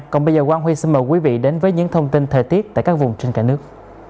còn bây giờ quang huy xin mời quý vị đến với những thông tin thời tiết tại các vùng trên cả nước